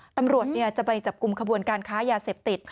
ตำรวจจะไปจับกลุ่มขบวนการค้ายาเสพติด